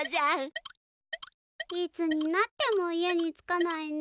いつになっても家に着かないね。